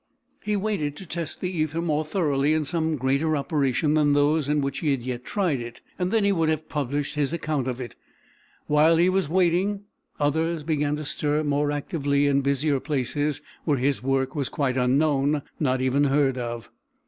He waited to test the ether more thoroughly in some greater operation than those in which he had yet tried it; and then he would have published his account of it. While he was waiting, others began to stir more actively in busier places, where his work was quite unknown, not even heard of.